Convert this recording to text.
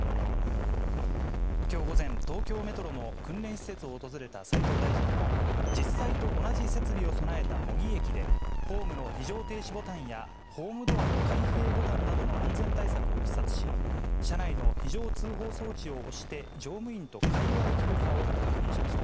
きょう午前、東京メトロの訓練施設を訪れた斉藤大臣は、実際と同じ設備を備えた模擬駅で、ホームの非常停止ボタンや、ホームドアの開閉ボタンなどの安全対策を視察し、車内の非常通報装置を押して、乗務員と会話できるかを確認しました。